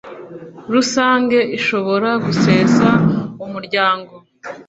Rusange ishobora gusesa Umuryango